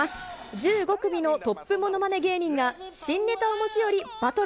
１５組のトップものまね芸人が、新ネタを持ち寄りバトル。